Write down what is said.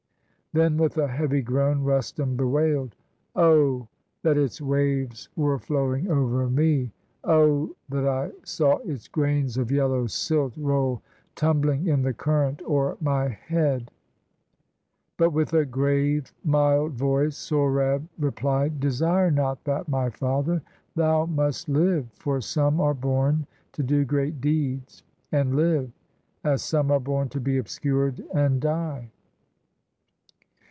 Then, with a heavy groan, Rustum bewail'd :— "Oh, that its waves were flowing over me! Oh, that I saw its grains of yellow silt Roll tumbling in the current o'er my head!" 289 PERSIA But, with a grave mild voice, Sohrab replied: — "Desire not that, my father! thou must live: For some are born to do great deeds, and live. As some are born to be obscur'd, and die.